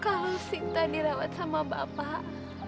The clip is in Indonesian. kalau sita dirawat sama bapak